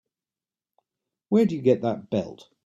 Where'd you get that belt?